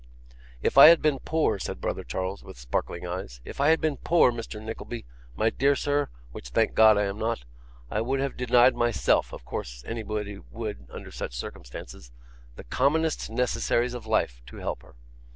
'If I had been poor,' said brother Charles, with sparkling eyes; 'if I had been poor, Mr. Nickleby, my dear sir, which thank God I am not, I would have denied myself (of course anybody would under such circumstances) the commonest necessaries of life, to help her.